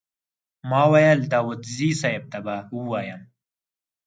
ما ویل داوودزي صیب ته به ووایم.